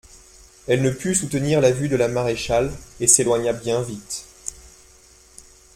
Elle ne put soutenir la vue de la maréchale et s'éloigna bien vite.